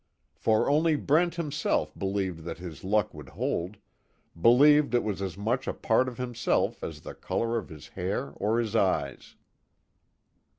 For only Brent himself believed that his luck would hold believed it was as much a part of himself as the color of his hair or his eyes.